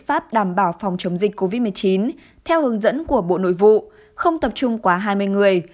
biện pháp đảm bảo phòng chống dịch covid một mươi chín theo hướng dẫn của bộ nội vụ không tập trung quá hai mươi người